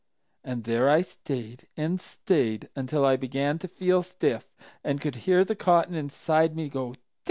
And there I stayed and stayed until I began to feel stiff and could hear the cotton inside me go, 'Tic!